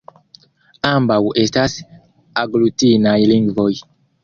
Ambaŭ estas aglutinaj lingvoj.